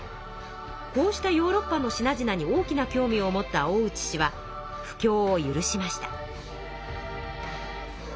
こうしたヨーロッパの品々に大きな興味を持った大内氏は布教を許しました。